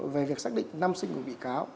về việc xác định năm sinh của bị cáo